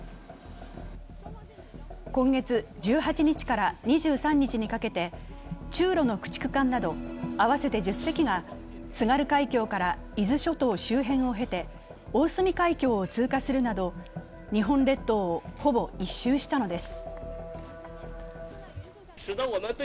今月１８日から２３日にかけて中ロの駆逐艦など合わせて１０隻が津軽海峡から伊豆諸島周辺を経て大隅海峡を通過するなど日本列島をほぼ１周したのです。